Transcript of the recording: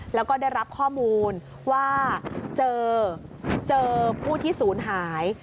แล้วก็ได้รับข้อมูลว่าเจอผู้ที่ศูนย์หาย